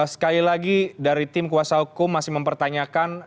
sekali lagi dari tim kuasa hukum masih mempertanyakan